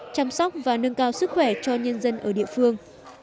chăm sóc và nâng cao sức khỏe cho nhân dân ở địa phương